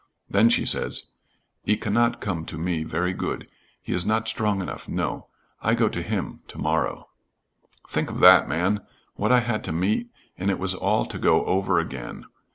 Then she says: 'He cannot come to me, very good. He is not strong enough no. I go to him to morrow.' Think of that, man! What I had to meet, and it was all to go over again.